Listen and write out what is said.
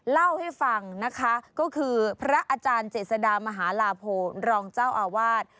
เล่าให้ฟังนะคะก็คือพระอาจารย์เจษดามหาลาโพรองเจ้าอาวาส